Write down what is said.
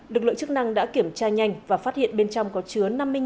đực lượng chức năng đã kiểm tra nhanh và phát hiện bên trong có chứa